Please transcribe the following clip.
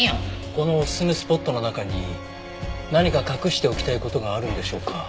このおすすめスポットの中に何か隠しておきたい事があるんでしょうか？